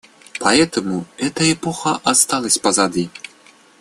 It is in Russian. По-моему, эта эпоха осталась позади.